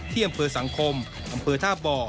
อำเภอสังคมอำเภอท่าบ่อ